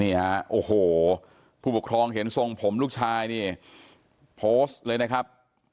นี่ฮะโอ้โหผู้ปกครองเห็นทรงผมลูกชายนี่โพสต์เลยนะครับ